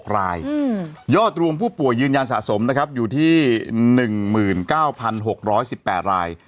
๖รายยอดรวมผู้ป่วยยืนยันสะสมนะครับอยู่ที่๑๙๖๑๘ราย